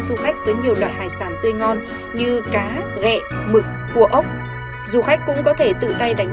du khách với nhiều loại hải sản tươi ngon như cá gẹ mực cua ốc du khách cũng có thể tự tay đánh